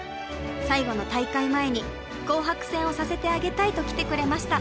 最後の大会前に紅白戦をさせてあげたいと来てくれました。